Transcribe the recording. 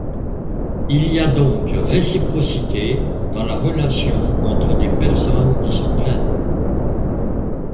Il y a donc réciprocité dans la relation entre des personnes qui s'entraident.